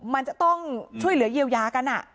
มันจะต้องช่วยเหลือเยียวยากัน